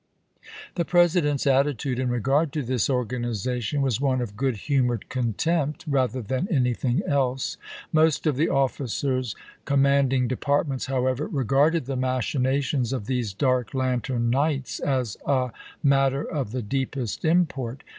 The President's attitude in regard to this or ganization was one of good humored contempt rather than anything else. Most of the officers commanding departments, however, regarded the machinations of these dark lantern knights as a matter of the deepest import.